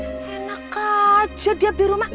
enak aja dia beli rumah